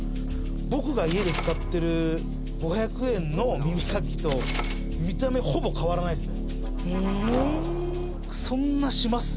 僕が家で使ってる５００円の耳かきと見た目ほぼ変わらないっすね